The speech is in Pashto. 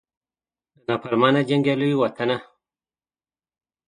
د نافرمانه جنګیالو وطنه